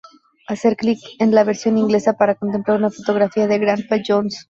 Hacer clic en la versión inglesa para contemplar una fotografía de Grandpa Jones.